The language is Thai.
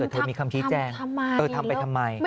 เธอมีคำชี้แจงทำไปทำไม